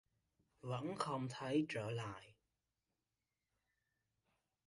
Vẫn không thấy trở lại